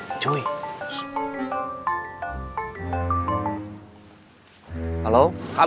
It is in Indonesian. yang penting adalah